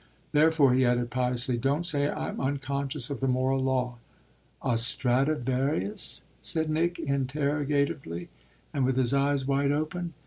Therefore," he added piously; "don't say I'm unconscious of the moral law." "A Stradivarius?" said Nick interrogatively and with his eyes wide open.